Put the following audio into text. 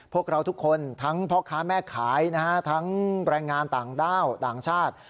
พวกเราทุกคนทั้งพ่อค้าแม่ขายนะฮะทั้งแรงงานต่างด้าวต่างชาติ